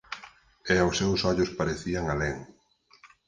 E os seus ollos parecían alén.